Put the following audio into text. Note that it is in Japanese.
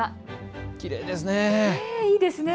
きれいですね。